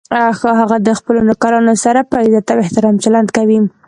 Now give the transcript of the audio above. هغه د خپلو نوکرانو سره په عزت او احترام چلند کوي